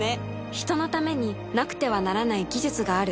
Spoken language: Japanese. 人のためになくてはならない技術がある。